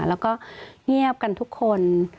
แล้วก็เงียบกันทุกคน